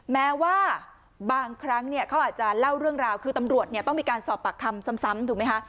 แม้ว่าบางครั้งเขาอาจจะเล่าเรื่องราวคือตำรวจต้องมีการสอบปากคำซ้ำถูกไหมคะ